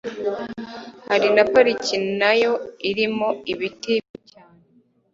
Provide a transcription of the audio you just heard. Hari na Pariki nayo irimo ibiti bibi cyane